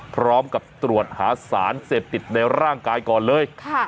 พร้อมกับตรวจหาสารเสพติดในร่างกายก่อนเลย